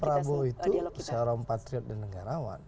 prabowo itu seorang patriot dan negarawan